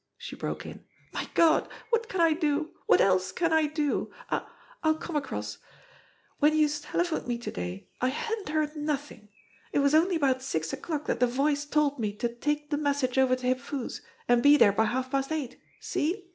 she broke in. "My Gawd, wot can I do? Wot else can I do? I I'll come across. Wen youse telephoned me to day I hadn't heard nothin'. It was only about six o'clock dat de Voice told me to take de message over to Hip Foo's, an' be dere by half past eight. See?